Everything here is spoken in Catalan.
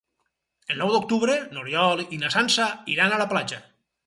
El nou d'octubre n'Oriol i na Sança iran a la platja.